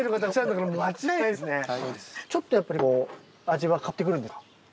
ちょっとやっぱりこう味は変わってくるんですか？